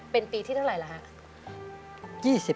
เป็นปีที่เท่าไหร่หรือฮะ